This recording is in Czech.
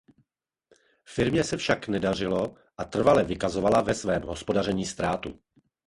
Firmě se však nedařilo a trvale vykazovala ve svém hospodaření ztrátu.